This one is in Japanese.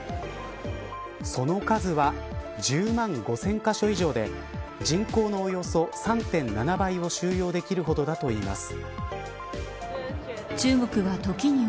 その数は１０万５０００カ所以上で人口のおよそ３．７倍を収容できるほどだといいます。